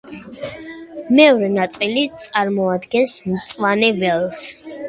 მეორე ნაწილი წარმოადგენს მწვანე ველს.